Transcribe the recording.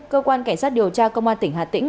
cơ quan cảnh sát điều tra công an tỉnh hà tĩnh